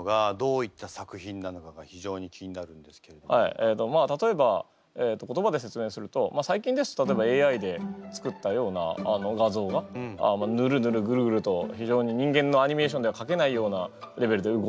えっとまあ例えば言葉で説明すると最近ですと例えばＡＩで作ったような画像がヌルヌルグルグルと非常に人間のアニメーションではかけないようなレベルで動いてたりとか。